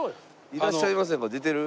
「いらっしゃいませ」が出てる？